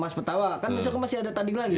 mas petawa kan besok masih ada tanding lagi